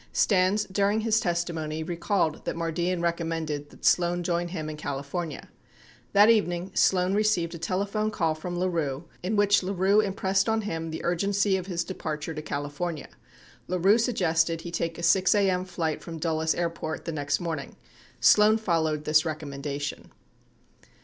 Stans, during his testimony, recalled that Mardian recommended that Sloan join him in California. 81 That evening, Sloan received a tele phone call from LaRue in which LaRue impressed on him the urgency of his departure to California. LaRue suggested he take a 6 a.m. flight from Dulles Airport the next morning. Sloan followed this rec ommendation.